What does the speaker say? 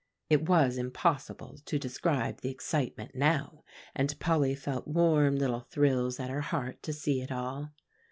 It was impossible to describe the excitement now, and Polly felt warm little thrills at her heart to see it all.